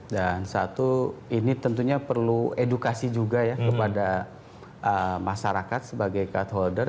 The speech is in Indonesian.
dan satu ini tentunya perlu edukasi juga ya kepada masyarakat sebagai cardholder